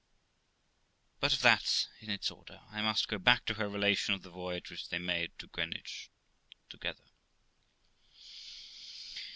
But of that in its order; I must go back to her relation of the voyage which they made to Greenwich together.